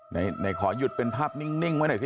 ไหนขอหยุดเป็นภาพนิ่งไว้หน่อยสิ